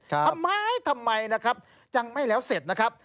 ทำไมทำไมนะครับยังไม่แล้วเสร็จนะครับ